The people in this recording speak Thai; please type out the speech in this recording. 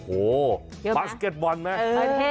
โอ้โหบัสเก็ตบอลมั้ย